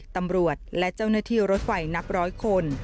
ตำรวจและเจ้าหน้าที่รถไฟนับร้อยคน